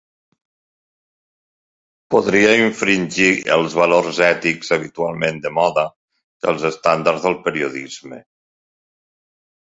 Podria infringir els valors ètics habitualment de moda i els estàndards del periodisme.